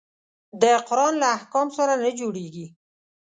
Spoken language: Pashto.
د قرآن له احکامو سره نه جوړیږي.